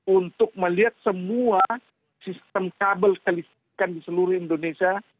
untuk melihat semua sistem kabel kelistrikan di seluruh indonesia